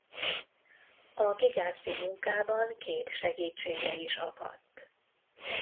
A gigászi munkában két segítsége is akadt.